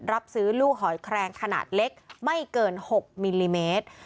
รับซื้อลูกหอยแครงขนาดเล็กไม่เกิน๖มิลลิเมตร